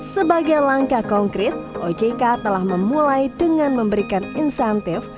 sebagai langkah konkret ojk telah memulai dengan memberikan insentif